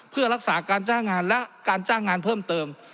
เพื่อรักษาการจ้างงานและการจ้างงานเพิ่มเติม